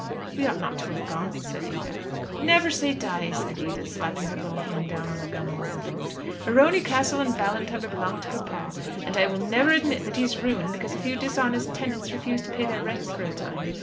"We ought not to have gone," said Ada. "Never say die," said Edith, slapping her little hand down on the gunwale of the boat. "Morony Castle and Ballintubber belong to papa, and I will never admit that he is ruined because a few dishonest tenants refuse to pay their rents for a time.